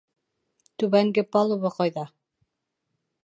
Түбәнге палуба ҡайҙа?